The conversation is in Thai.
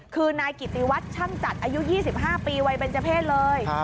คือนายกิติวัตรช่างจัดอายุ๒๕ปีวัยเป็นเจ้าเพศเลย